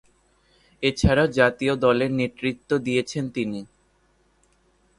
এছাড়াও জাতীয় দলের নেতৃত্ব দিয়েছেন তিনি।